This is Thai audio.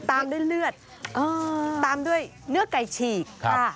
ตามด้วยเลือดตามด้วยเนื้อไก่ฉีกค่ะ